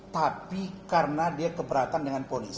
tapi karena dia keberatan dengan ponis